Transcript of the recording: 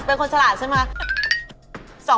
เป็นคนฉลาดใช่ไหม